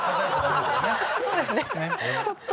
そうですね。